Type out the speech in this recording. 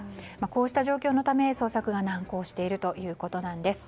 こうした状況のため捜索が難航しているということです。